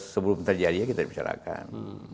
sebelum terjadi kita bicarakan